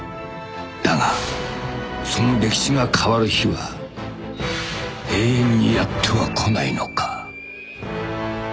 ［だがその歴史が変わる日は永遠にやっては来ないのか？］